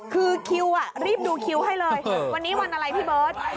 คือคิวรีบดูคิวให้เลยวันนี้วันอะไรพี่เบิร์ต